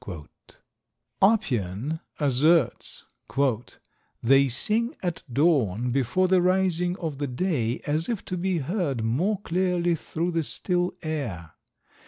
Oppian asserts, "They sing at dawn before the rising of the day as if to be heard more clearly through the still air.